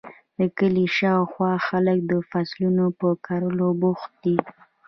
د کلي شااوخوا خلک د فصلونو په کرلو بوخت دي.